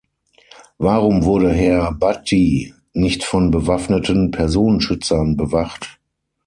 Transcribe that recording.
Warum wurde Herr Bhatti nicht von bewaffneten Personenschützern bewacht?